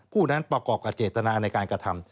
ผู้นั้นประกอบกับเจตนาในการกระทำ